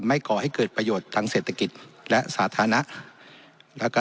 ก่อให้เกิดประโยชน์ทางเศรษฐกิจและสาธารณะแล้วก็